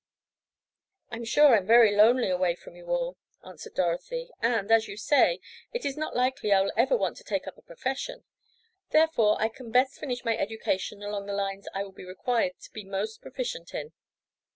"I'm sure I'm very lonely away from you all," answered Dorothy, "and, as you say, it is not likely I will ever want to take up a profession. Therefore I can best finish my education along the lines I will be required to be most proficient in."